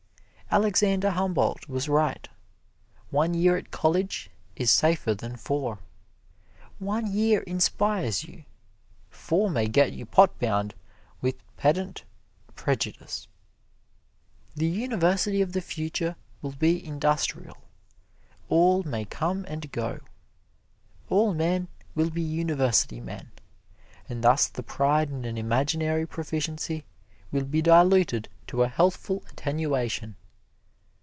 Alexander Humboldt was right one year at college is safer than four. One year inspires you four may get you pot bound with pedant prejudice. The university of the future will be industrial all may come and go. All men will be university men, and thus the pride in an imaginary proficiency will be diluted to a healthful attenuation.